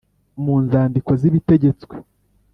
mu nzandiko z’ibitegetswe